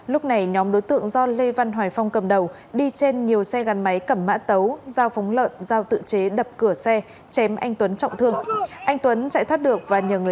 lúc này nhóm đối tượng do lê văn hoài phong cầm đầu đi trên nhiều xe gắn máy cầm mã tấu giao phóng lợn giao tự chế đập cửa xe chém anh tuấn trọng thương